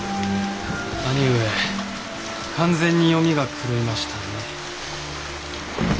兄上完全に読みが狂いましたね。